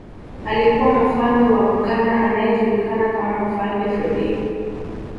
Alikuwa Mfalme wa Buganda anayejulikana kama Mfalme Freddie